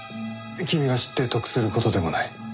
君が知って得する事でもない。